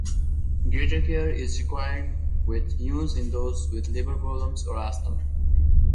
Greater care is required with use in those with liver problems or asthma.